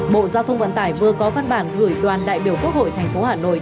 bộ giao thông vận tải vừa có văn bản gửi đoàn đại biểu quốc hội tp hà nội